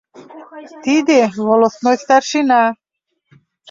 Тиде — волостной старшина.